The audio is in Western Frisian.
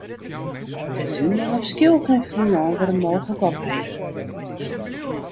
De dunen op Skylge en Flylân wurde mooglik ophege.